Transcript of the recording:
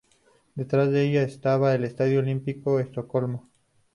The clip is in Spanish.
Detrás de ella estaba el estadio Olímpico de Estocolmo.